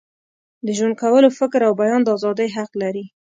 د ژوند کولو، فکر او بیان د ازادۍ حق لري.